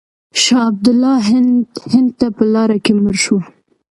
شاه عبدالله هند ته په لاره کې مړ شو.